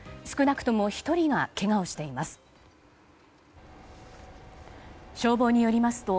少なくとも１人がけがをしています。